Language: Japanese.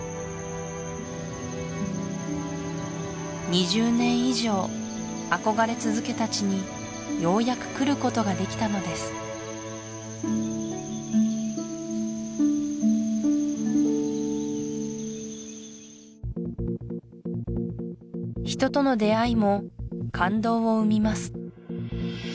２０年以上憧れ続けた地にようやく来ることができたのです人との出会いも感動を生みます